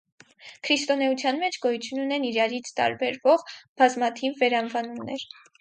Քրիստոնեության մեջ գոյություն ունեն իրարից տարբերվող բազմաթիվ վերանվանումներ։